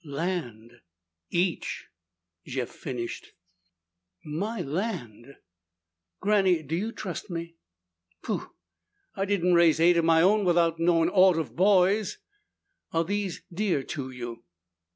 "Land!" "Each," Jeff finished. "My land!" "Granny, do you trust me?" "Pooh! I didn't raise eight of my own 'thout knowin' aught of boys." "Are these dear to you?"